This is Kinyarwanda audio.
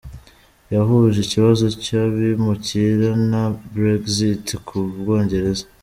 Yahuje ikibazo cy’abimukira na Brexit ku u Bwongereza.